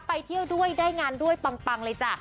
ไปเที่ยวด้วยได้งานด้วยปังเลยจ้ะ